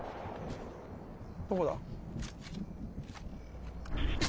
どこだ？